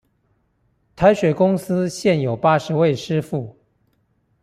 台水公司現有八十位師傅